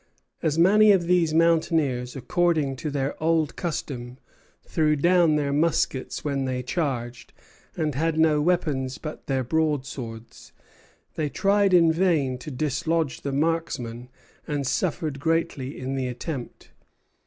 As many of these mountaineers, according to their old custom, threw down their muskets when they charged, and had no weapons but their broadswords, they tried in vain to dislodge the marksmen, and suffered greatly in the attempt.